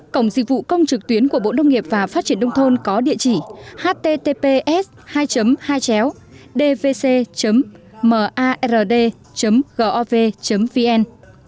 cổng dịch vụ công trực tuyến của bộ nông nghiệp và phát triển nông thôn có địa chỉ https hai hai chéo dvc mard gov vn